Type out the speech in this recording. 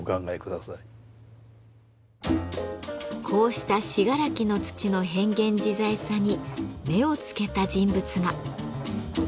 こうした信楽の土の変幻自在さに目をつけた人物が。